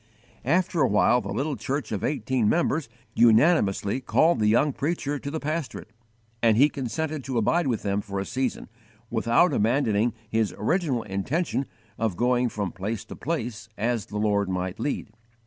After a while the little church of eighteen members unanimously called the young preacher to the pastorate, and he consented to abide with them for a season, without abandoning his original intention of going from place to place as the Lord might lead.